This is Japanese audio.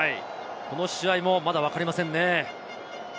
この試合もまだわかりませんね。